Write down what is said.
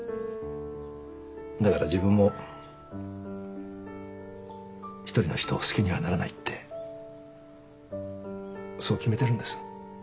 だから自分も一人の人を好きにはならないってそう決めてるんです。